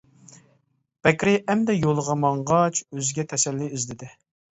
بەكرى ئەمدى يولىغا ماڭغاچ ئۆزىگە تەسەللى ئىزدىدى.